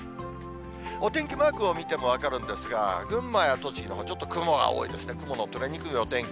お天気マークを見ても分かるんですが、群馬や栃木、ちょっと雲が多いですね、雲の取れにくいお天気。